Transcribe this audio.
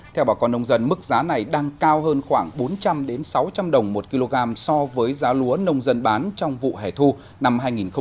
theo bà con nông dân mức giá này đang cao hơn khoảng bốn trăm linh sáu trăm linh đồng một kg so với giá lúa nông dân bán trong vụ hẻ thu năm hai nghìn một mươi chín